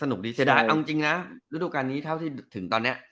คดีเสียดายเอาจริงนะฤดูการนี้เท่าที่ถึงตอนนี้